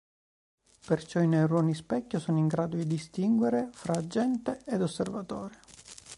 Perciò i neuroni specchio sono in grado di distinguere fra agente ed osservatore.